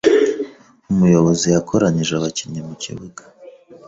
Umuyobozi yakoranyije abakinnyi mukibuga.